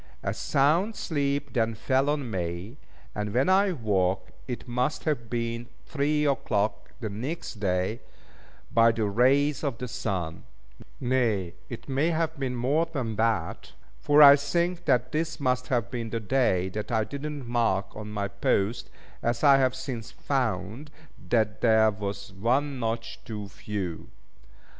A sound sleep then fell on me, and when I woke it must have been three o'clock the next day, by the rays of the sun: nay, it may have been more than that; for I think that this must have been the day that I did not mark on my post, as I have since found that there was one notch too few.